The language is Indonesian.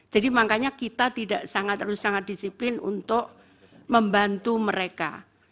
jadi makanya kita tidak sangat harus sangat disiplin untuk membantu mereka